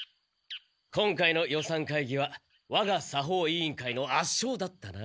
今回の予算会議はわが作法委員会の圧勝だったな。